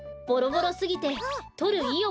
ボロボロすぎてとるい